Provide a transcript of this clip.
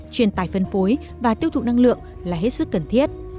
truyền tải phân phối và tiêu thụ năng lượng là hết sức cần thiết